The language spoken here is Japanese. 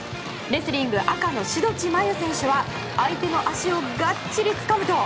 レスリング赤の志土地真優選手は相手の足をがっちりつかむと。